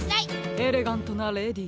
エレガントなレディー。